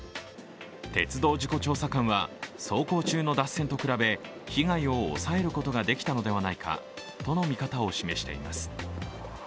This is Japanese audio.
鉄道事故調査官は走行中の脱線と比べ被害を抑えることができたのではないかとの見方を示しています。